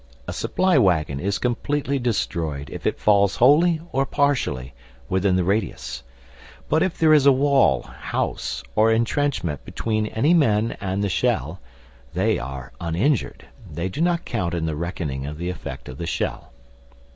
A supply waggon is completely destroyed if it falls wholly or partially within the radius. But if there is a wall, house, or entrenchment between any men and the shell, they are uninjured they do not count in the reckoning of the effect of the shell.